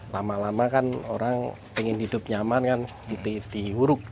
lama lama kan orang ingin hidup nyaman kan di huruf